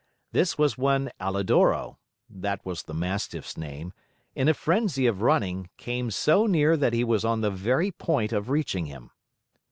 This was when Alidoro (that was the Mastiff's name), in a frenzy of running, came so near that he was on the very point of reaching him.